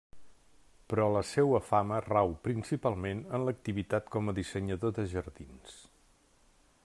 Però la seua fama rau principalment en l'activitat com a dissenyador de jardins.